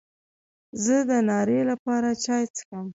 زه د ناري لپاره چای څښم.